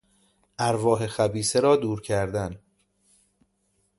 ارواح خبیثه را دور کردن